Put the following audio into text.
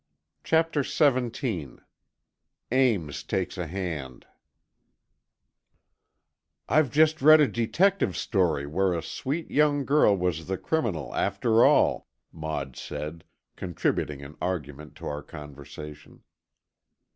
CHAPTER XVII AMES TAKES A HAND "I've just read a detective story, where a sweet young girl was the criminal, after all," Maud said, contributing an argument to our conversation.